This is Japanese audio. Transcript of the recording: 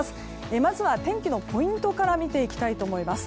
まずは天気のポイントから見ていきたいと思います。